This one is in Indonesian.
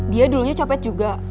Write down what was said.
dia dulunya copet juga